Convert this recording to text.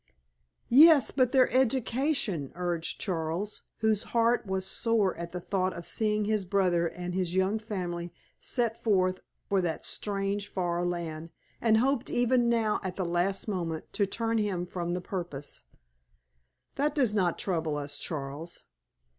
"Yes, but their education——" urged Charles, whose heart was sore at the thought of seeing his brother and his young family set forth for that strange, far land, and hoped even now at the last moment to turn him from the purpose. "That does not trouble us, Charles.